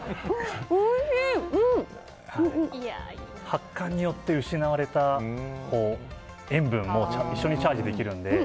発汗によって失われた塩分も一緒にチャージできるので。